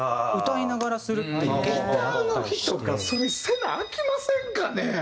ギターの人がそれせなあきませんかね？